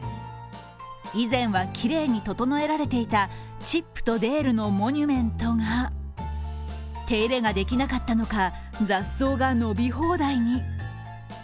以前は、きれいに調えられていたチップとデールのモニュメントが手入れができなかったのか、雑草が伸び放題に。